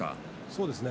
そうですね。